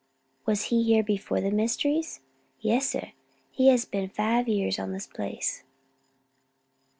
"Was he here before the mysteries?" "Yes, sir, he has been five years on the place."